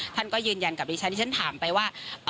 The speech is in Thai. ท่านก็ยืนยันกับดิฉันที่ฉันถามไปว่า